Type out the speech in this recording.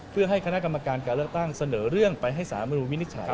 เพื่อให้คณะกรรมการการเลือกตั้งเสนอเรื่องไปให้สารมนุนวินิจฉัย